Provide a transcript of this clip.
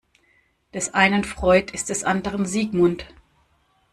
Des einen Freud ist des anderen Sigmund.